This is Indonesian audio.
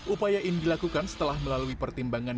upaya ini dilakukan setelah melalui pertimbangan